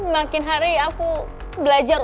makin hari aku belajar